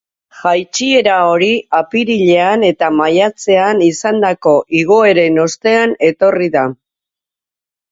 Jaitsiera hori apirilean eta maiatzean izandako igoeren ostean etorri da.